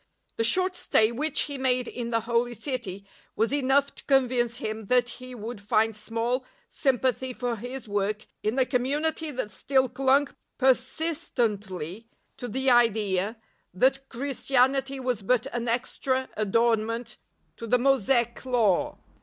The short stay which he made in the Holy City was enough to convince him that he would find small sympathy for his work in a community that still clung per sistently to the idea that Christianity was but an extra adornment to the Mosaic Law.